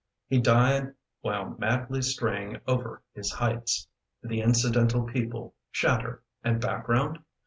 . He died while madly straying over his heights. " The incidental people, chatter, and background?